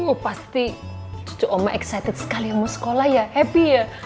aduh pasti cucu oma excited sekali mau sekolah ya happy ya